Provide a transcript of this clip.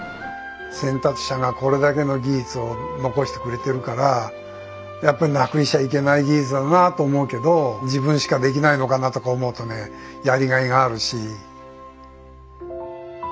先達者がこれだけの技術を残してくれてるからやっぱりなくしちゃいけない技術だなと思うけど自分しかできないのかなとか思うとねやりがいがあるし。